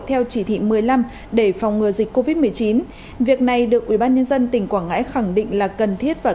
theo chỉ thị một mươi năm để phòng ngừa dịch covid một mươi chín việc này được ubnd tỉnh quảng ngãi khẳng định là cần thiết và